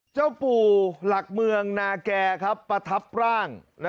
เจ้าปู่หลักเมืองนาแก่ประทับร่าง